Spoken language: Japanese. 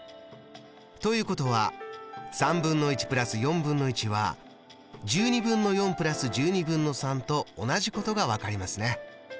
ということは＋は＋と同じことが分かりますね。